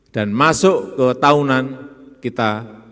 dan masuk ke tahunan kita